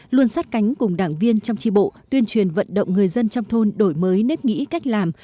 luôn sát cánh cùng đảng viên trong tri bộ tuyên truyền vận động người dân trong thôn đổi mới nếp nghĩ cách làm